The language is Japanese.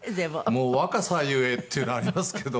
もう若さゆえっていうのはありますけど。